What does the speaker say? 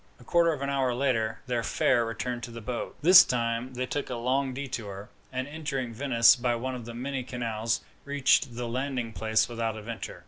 A quarter of an hour later, their fare returned to the boat. This time they took a long detour, and, entering Venice by one of the many canals, reached the landing place without adventure.